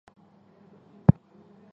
不可能是他们